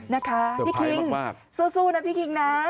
นะคะพี่คิงสู้นะพี่คิงนะ